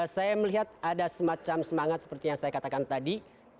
saya melihat ada semacam semangat seperti yang saya katakan tadi